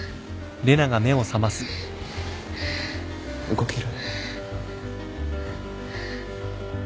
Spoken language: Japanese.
・動ける？